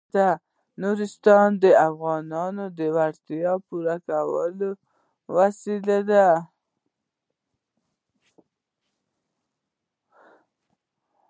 نورستان د افغانانو د اړتیاوو د پوره کولو وسیله ده.